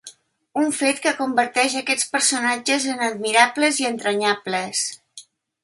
Un fet que converteix aquests personatges en admirables i entranyables.